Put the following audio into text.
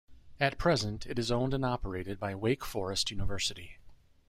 At present, it is owned and operated by Wake Forest University.